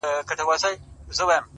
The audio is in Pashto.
دا پردۍ ښځي چي وینمه شرمېږم -